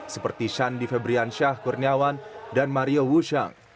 seperti shandy febrian syah kurniawan dan mario wushang